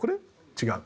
「違う」